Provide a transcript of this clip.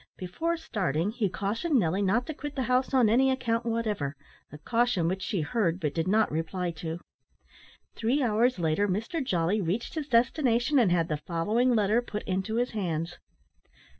Before starting, he cautioned Nelly not to quit the house on any account whatever, a caution which she heard but did not reply to. Three hours later Mr Jolly reached his destination, and had the following letter put into his hands.